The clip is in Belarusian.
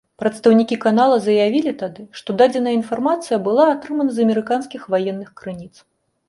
Прадстаўнікі канала заявілі тады, што дадзеная інфармацыя была атрымана з амерыканскіх ваенных крыніц.